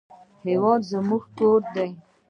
هېواد زموږ کور دی